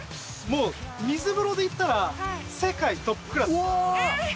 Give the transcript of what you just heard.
もうみず風呂でいったら世界トップクラス。え。